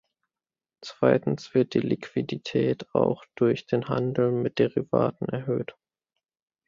Zweitens wird die Liquidität auch durch den Handel mit Derivaten erhöht.